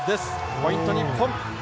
ポイント、日本。